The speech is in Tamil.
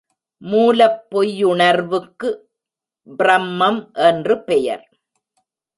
மூலப் பொய்யுணர்வுக்கு ப்ரமம் என்று பெயர்.